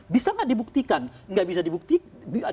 bisa gak dibuktikan gak bisa dibuktikan